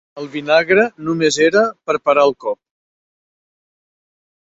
El vinagre només era per parar el cop.